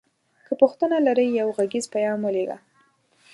که پوښتنه لری یو غږیز پیغام ولیږه